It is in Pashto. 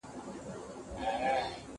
زه به سبزېجات وچولي وي!